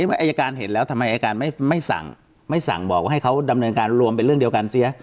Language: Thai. เมื่ออายการเห็นแล้วทำไมอายการไม่สั่งไม่สั่งบอกว่าให้เขาดำเนินการรวมเป็นเรื่องเดียวกันเสีย